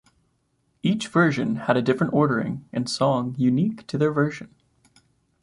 Each version had a different ordering and songs unique to their version.